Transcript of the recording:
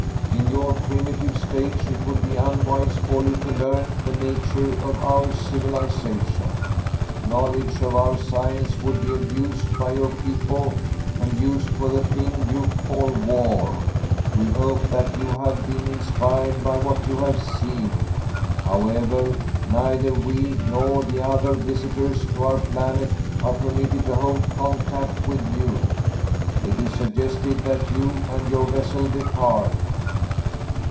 In your primitive stage it would be unwise for you to learn the nature of our civilization. Knowledge of our science would be abused by your people, and used for the thing you call war. We hope that you have been inspired by what you have seen. However, neither we nor the other visitors to our planet are permitted to hold contact with you. It is suggested that you and your vessel depart."